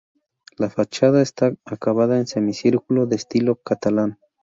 La fachada está acabada en semicírculo, de estilo catalán.